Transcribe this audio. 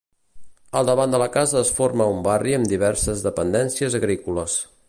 Al davant de la casa es forma un barri amb diverses dependències agrícoles.